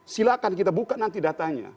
silahkan kita buka nanti datanya